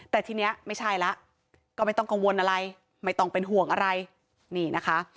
แต่ทีนี้ไม่ใช่แล้วก็ไม่ต้องกังวลอะไรไม่ต้องเป็นห่วงอะไรนี่นะคะ